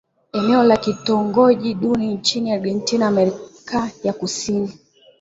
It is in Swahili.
Eneo la kitongoji duni nchini Argentina Amerika ya Kusini